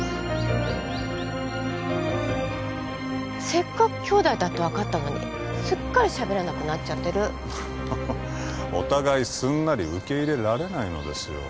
せっかく兄弟だって分かったのにすっかりしゃべらなくなっちゃってるお互いすんなり受け入れられないのですよ